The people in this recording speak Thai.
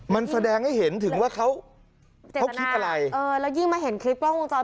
มันแสดงให้เห็นถึงว่าเขาเขาคิดอะไรเออแล้วยิ่งมาเห็นคลิปกล้องวงจร